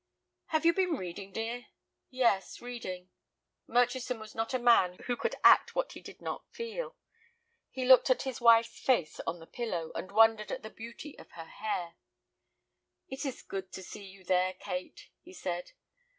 "Have you been reading, dear?" "Yes, reading." Murchison was not a man who could act what he did not feel. He looked at his wife's face on the pillow, and wondered at the beauty of her hair. "It is good to see you there, Kate," he said.